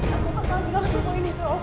aku bakal bilang semua ini sama papa